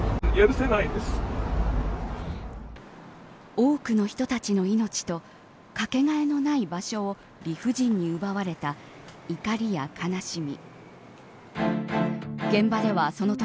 多くの人たちの命とかけがえのない場所を理不尽に奪われた怒りや悲しみ。